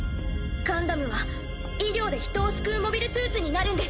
ガンダムは医療で人を救うモビルスーツになるんです。